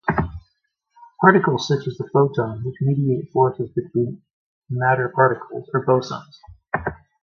Particles such as the photon, which mediate forces between matter particles, are bosons.